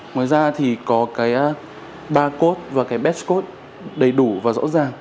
ngoài ra thì có cái barcode và cái bestcode đầy đủ và rõ ràng